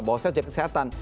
bahwa saya jaga kesehatan